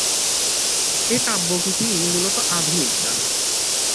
এ কাব্যগীতিই মূলত আধুনিক গান।